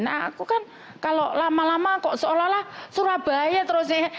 aku kan kalau lama lama kok seolah olah surabaya terusnya